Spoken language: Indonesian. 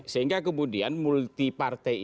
sehingga kemudian multi partai